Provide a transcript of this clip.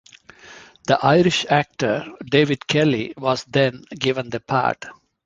The Irish actor David Kelly was then given the part.